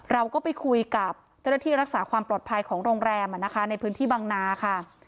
เราก็ไปคุยกับเจ้าหน้าที่รักษาความปลอดภัยของโรงแรมในพื้นที่บังนาค่ะ